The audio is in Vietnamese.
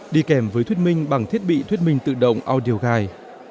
đi kèm với thuyết minh bằng thiết bị thuyết minh tự động audio guide